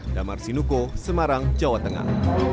damar sinuko semarang jawa tengah